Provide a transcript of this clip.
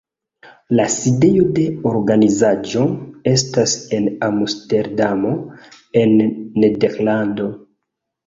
La sidejo de organizaĵo estas en Amsterdamo en Nederlando.